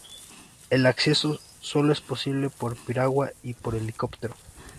El acceso sólo es posible por piragua y por helicóptero.